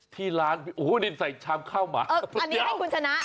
ที่ร้านโอ้โหนี่ใส่ชามข้าวหมาอันนี้ให้คุณชนะ